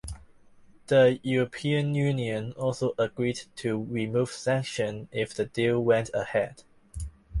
The European Union also agreed to remove sanctions if the deal went ahead.